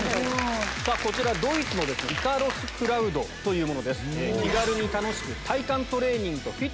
こちらドイツのイカロスクラウドというものです。